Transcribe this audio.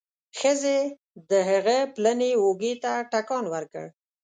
ښځې د هغه پلنې اوږې ته ټکان ورکړ.